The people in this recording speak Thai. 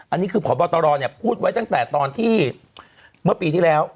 อันนี้คือพบตรพูดไว้ตั้งแต่ตอนที่เมื่อปีที่แล้ว